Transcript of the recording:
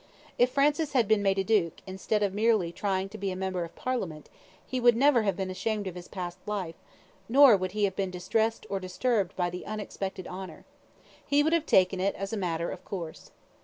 If Francis had been made a duke, instead of merely trying to be a member of parliament, he would never have been ashamed of his past life, nor would he have been distressed or disturbed by the unexpected honour. He would have taken it as a matter of course.